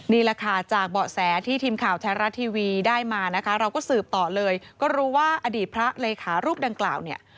นี่แหละค่ะจากเบาะแสที่ทีมข่าวแท้รัฐทีวีได้มานะคะเราก็สืบต่อเลยก็รู้ว่าอดีตพระเลขารูปดังกล่าวเนี่ย